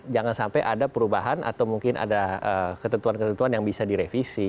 jangan sampai ada perubahan atau mungkin ada ketentuan ketentuan yang bisa direvisi